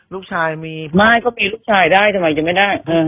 ลูกชายมีไม่ก็มีลูกชายได้ทำไมยังไม่ได้